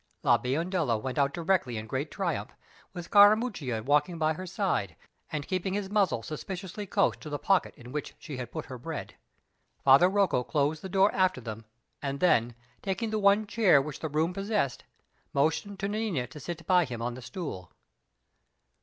La Biondella went out directly in great triumph, with Scarammuccia walking by her side, and keeping his muzzle suspiciously close to the pocket in which she had put her bread. Father Rocco closed the door after them, and then, taking the one chair which the room possessed, motioned to Nanina to sit by him on the stool.